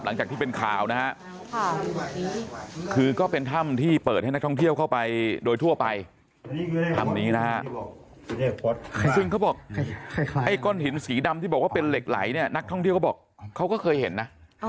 หลังจากที่เป็นข่าวนะฮะคือก็เป็นถ้ำที่เปิดให้นักท่องเที่ยวเข้าไปโดยทั่วไปถ้ำนี้นะฮะซึ่งเขาบอกไอ้ก้อนหินสีดำที่บอกว่าเป็นเหล็กไหลเนี่ยนักท่องเที่ยวเขาบอกเขาก็เคยเห็นนะ